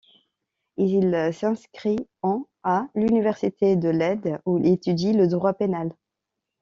Il s'inscrit en à l'université de Leyde, où il étudie le droit pénal.